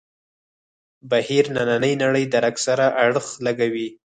بهیر نننۍ نړۍ درک سره اړخ لګوي.